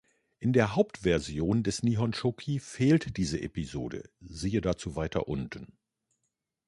In der Hauptversion des Nihonshoki fehlt diese Episode, siehe dazu weiter unten.